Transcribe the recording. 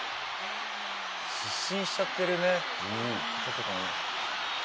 失神しちゃってるね人とかも。